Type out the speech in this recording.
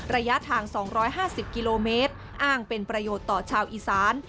ระยะทาง๒๕๐กิโลเมตรอ้างเป็นประโยชน์ต่อชาวอีสาน